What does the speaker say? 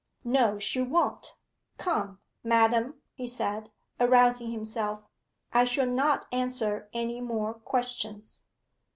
'No, she won't.... Come, madam,' he said, arousing himself, 'I shall not answer any more questions.